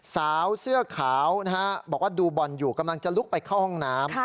สาวเสื้อขาวนะฮะบอกว่าดูบ่อนอยู่กำลังจะลุกไปเข้าห้องน้ำ